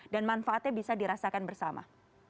dan manfaatnya bisa dirasakan bersama